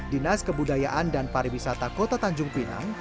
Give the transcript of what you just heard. dinas kebudayaan dan pariwisata kota tanjung pinang